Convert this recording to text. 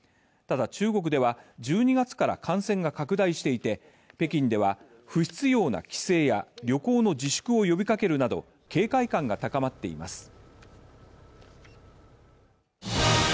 ただ、中国では１２月から感染が拡大していて北京では不必要な帰省や旅行の自粛を呼びかけるなど警戒感が高まっています。